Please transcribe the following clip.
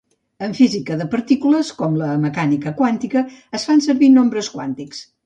En física de partícules, com a la mecànica quàntica, es fan servir nombres quàntics.